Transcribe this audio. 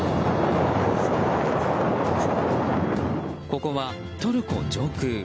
ここはトルコ上空。